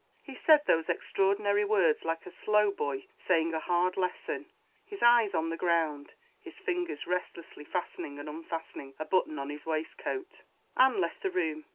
He said those extraordinary words like a slow boy saying a hard lesson his eyes on the ground, his fingers restlessly fastening and unfastening a button on his waistcoat. Anne left the room.